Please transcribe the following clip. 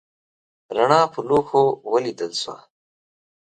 رڼا په لوښو ولیدل شوه.